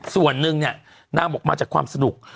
ส่วนหนึ่งเนี่ยนางบอกมาจากความสนุก